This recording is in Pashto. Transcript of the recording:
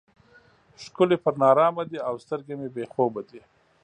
ښکلي پر نارامه دي او سترګې مې بې خوبه دي.